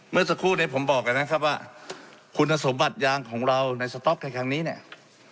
เมื่อสักครู่เนี่ยผมบอกนะครับว่าคุณสมบัติยางของเราในสต๊อกในครั้งนี้เนี่ย